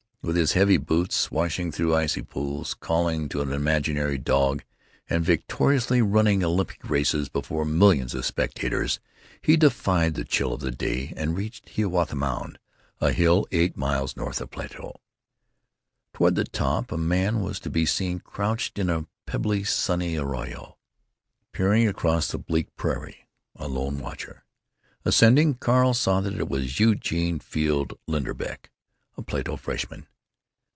With his heavy boots swashing through icy pools, calling to an imaginary dog and victoriously running Olympic races before millions of spectators, he defied the chill of the day and reached Hiawatha Mound, a hill eight miles north of Plato. Toward the top a man was to be seen crouched in a pebbly, sunny arroyo, peering across the bleak prairie, a lone watcher. Ascending, Carl saw that it was Eugene Field Linderbeck, a Plato freshman.